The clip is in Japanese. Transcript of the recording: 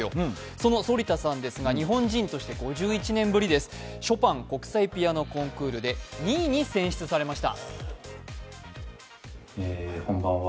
その反田さんですが日本人として５１年ぶりです、ショパンピアノ国際コンクールで２位になりました。